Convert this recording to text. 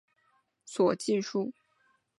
保桑尼阿斯曾对其有所记述。